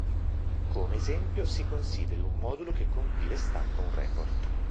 Come esempio, si consideri un modulo che compila e stampa un report.